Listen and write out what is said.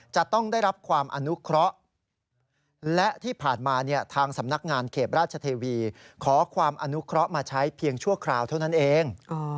จะต้องได้รับความอนุเคราะห์และที่ผ่านมาทางสำนักงานเขตราชเทวีขอความอนุเคราะห์มาใช้เพียงชั่วคราวเท่านั้นเอง